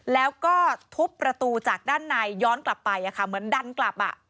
แล้วก็ทุบประตูจากด้านในย้อนกลับไปเหมือนดันกลับ